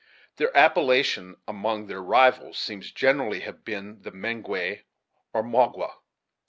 Their appellation among their rivals, seems generally to have been the Mengwe, or Maqua.